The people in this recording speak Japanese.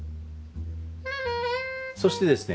そしてですね